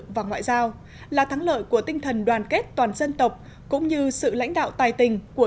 và ngoại giao là thắng lợi của tinh thần đoàn kết toàn dân tộc cũng như sự lãnh đạo tài tình của